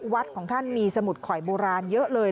ของท่านมีสมุดข่อยโบราณเยอะเลย